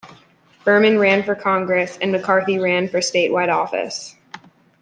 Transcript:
Berman ran for Congress and McCarthy ran for statewide office.